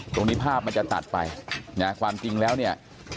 ตรงนี้ภาพมันจะตัดไปนะความจริงแล้วเนี่ย